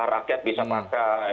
rakyat bisa pakai